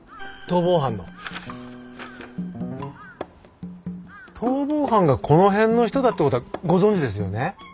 逃亡犯がこの辺の人だってことはご存じですよね？